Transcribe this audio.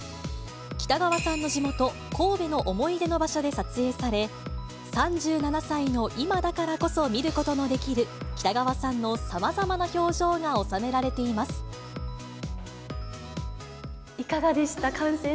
北川さんの地元、神戸の思い出の場所で撮影され、３７歳の今だからこそ見ることのできる北川さんのさまざまな表情いかがでした？